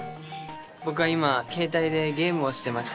僕は今ケータイでゲームをしてました。